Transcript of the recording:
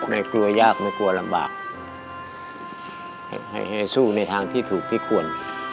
ได้กลัวยากไม่กลัวลำบากให้สู้ในทางที่ถูกที่ควร